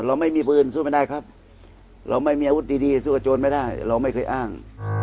เราไม่มีปืนสู้ไม่ได้ครับเราไม่มีอาวุธดีสู้กับโจรไม่ได้เราไม่เคยอ้าง